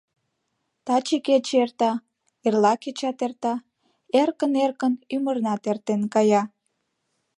Таче кече эрта, эрла кечат эрта, эркын-эркын ӱмырнат эртен кая.